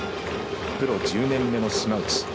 プロ１０年目の島内。